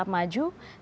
putusan hukum kita